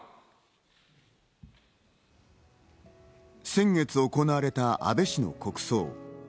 先月行われた安倍氏の国葬。